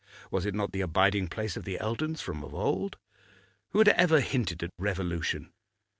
Was it not the abiding place of the Eldons from of old? Who had ever hinted at revolution?